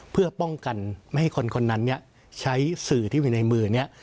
เพื่อป้องกันไม่ให้คนคนนั้นใช้สื่อที่อยู่ในมือนี้